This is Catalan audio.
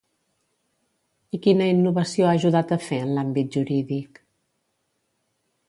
I quina innovació ha ajudat a fer en l'àmbit jurídic?